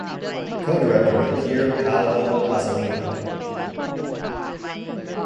Co-director with Pier Paolo Pasolini.